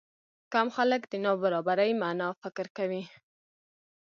کم خلک د نابرابرۍ معنی فکر کوي.